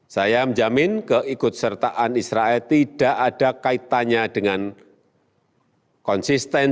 saya menjamin keikutsertaan israel tidak ada kaitannya dengan konsistensi